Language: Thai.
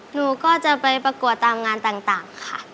หนูก็จะไปประกวดตามงานต่างค่ะ